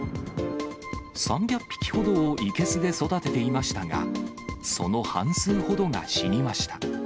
３００匹ほどを生けすで育てていましたが、その半数ほどが死にました。